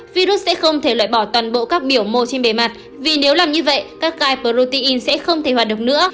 virus sẽ không thể loại bỏ toàn bộ các biểu mô trên bề mặt vì nếu làm như vậy các gai protein sẽ không thể hoạt động nữa